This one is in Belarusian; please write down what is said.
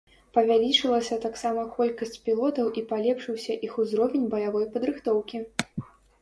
Павялічылася таксама колькасць пілотаў і палепшыўся іх узровень баявой падрыхтоўкі.